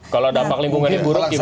kalau dampak lingkungan yang buruk gimana